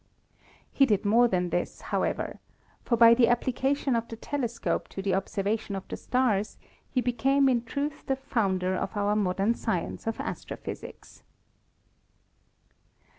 He did more than this, how ever; for by the application of the telescope to the observa tion of the stars he became in truth the founder of our modern science of astrophysics.